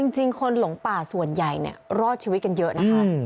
จริงคนหลงป่าส่วนใหญ่รอดชีวิตกันเยอะนะคะ